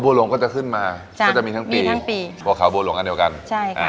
อ๋อบัวหลวงก็จะขึ้นมาจะจะมีทั้งปีบัวขาวบัวหลวงอันเดียวกันใช่ค่ะ